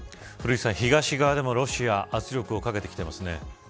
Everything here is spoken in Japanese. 古市さん、東側でもロシア圧力をかけてきてますね。